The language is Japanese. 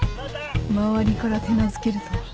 周りから手なずけるとは。